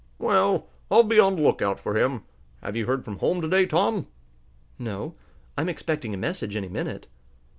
"Well, I'll be on the lookout for him. Have you heard from home to day, Tom?" "No. I'm expecting a message any minute."